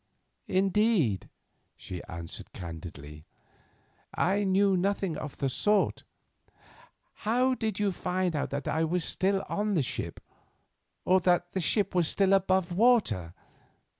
"Indeed," she answered candidly, "I knew nothing of the sort. How did you find out that I was still on the ship, or that the ship was still above water?